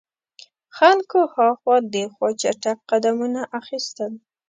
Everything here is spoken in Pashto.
خلکو هاخوا دیخوا چټګ قدمونه اخیستل.